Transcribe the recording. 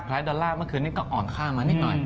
ดอลลาร์เมื่อคืนนี้ก็อ่อนค่ามานิดหน่อย